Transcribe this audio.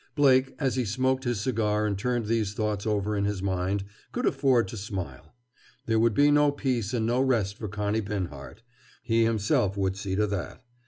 Blake, as he smoked his cigar and turned these thoughts over in his mind, could afford to smile. There would be no peace and no rest for Connie Binhart; he himself would see to that.